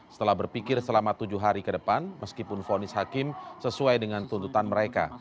setelah berpikir selama tujuh hari ke depan meskipun fonis hakim sesuai dengan tuntutan mereka